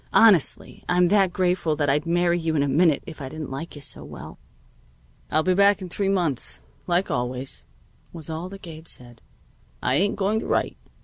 Honestly, I'm that grateful that I'd marry you in a minute if I didn't like you so well." "I'll be back in three months, like always," was all that Gabe said. "I ain't going to write.